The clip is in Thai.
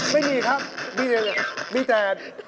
ไม่มีครับมีแต่